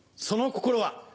その心は。